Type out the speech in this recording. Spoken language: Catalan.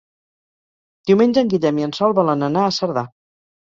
Diumenge en Guillem i en Sol volen anar a Cerdà.